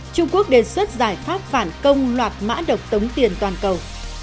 trung quốc đề xuất giải pháp phản công loạt mã độc tống tiền toàn cầu